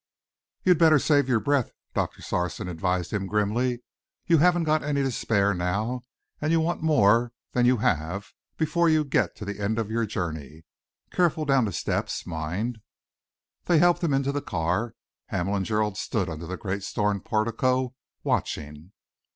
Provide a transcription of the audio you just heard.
"You'd better save your breath," Doctor Sarson advised him grimly. "You haven't any to spare now, and you'll want more than you have before you get to the end of your journey. Carefully down the steps, mind." They helped him into the car. Hamel and Gerald stood under the great stone portico, watching.